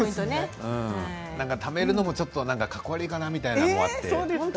なんかためるのもちょっとかっこ悪いかなみたいなというのもあって。